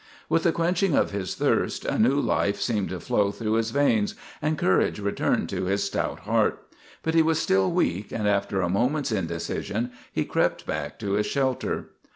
With the quenching of his thirst a new life seemed to flow through his veins and courage returned to his stout heart. But he was still weak, and after a moment's indecision he crept back to his shelter.